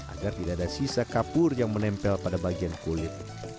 agar tidak ada sisa kapur yang menempel pada bagian kulit